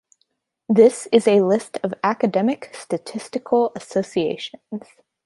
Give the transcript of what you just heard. This is a list of academic statistical associations.